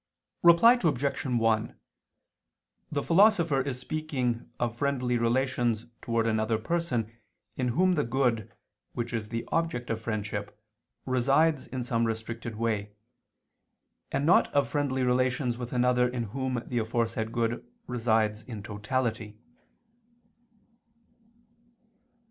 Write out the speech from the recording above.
Reply Obj. 1: The Philosopher is speaking of friendly relations towards another person in whom the good, which is the object of friendship, resides in some restricted way; and not of friendly relations with another in whom the aforesaid good resides in totality.